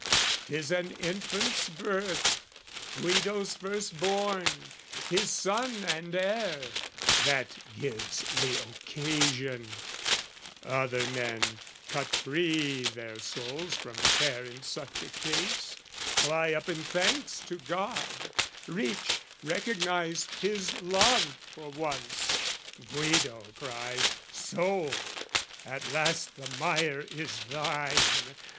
'Tis an infant's birth, Guido's first born, his son and heir, that gives The occasion: other men cut free their souls From care in such a case, fly up in thanks To God, reach, recognise His love for once: Guido cries "Soul, at last the mire is thine!